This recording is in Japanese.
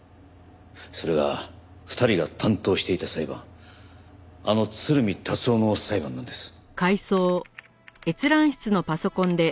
それが２人が担当していた裁判あの鶴見達男の裁判なんです。